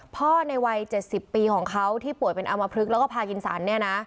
พ่อในวัย๗๐ปีของเขาที่ป่วยเป็อมพฤกษ์แล้วก็ภากินสรรพ์